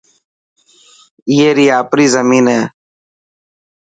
ائي ري آپري زمين هي.